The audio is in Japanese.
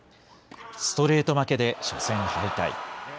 ストレート負けで初戦敗退。